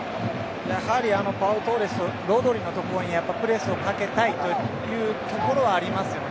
やはりパウ・トーレスロドリのところにプレスをかけたいというところはありますよね。